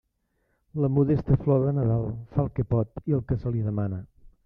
La modesta flor de Nadal fa el que pot i el que se li demana.